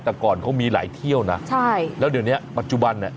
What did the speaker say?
แต่ก่อนเขามีหลายเที่ยวนะใช่แล้วเดี๋ยวเนี้ยปัจจุบันเนี่ย